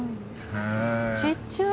ちっちゃい。